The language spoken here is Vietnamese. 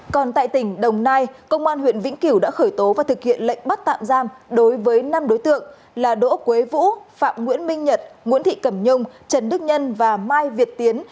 còn tại tỉnh đồng nai công an huyện vĩnh cửu đã khởi tố và thực hiện lệnh bắt tạm giam đối với năm đối tượng là đỗ quế vũ phạm nguyễn minh nhật nguyễn thị cẩm nhung trần đức nhân và mai việt tiến